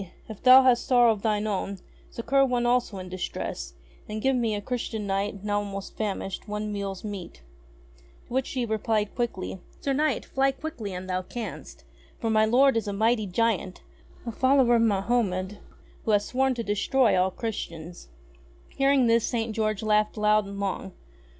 If thou hast sorrow of thine own, succour one also in distress, and give me, a Christian Knight, now almost famished, one meal's meat." To which she replied quickly : "Sir Knight! Fly quickly an' thou canst, for my lord is a mighty giant, a follower of Mahomed, who hath sworn to destroy all Christians." Hearing this St. George laughed loud and long.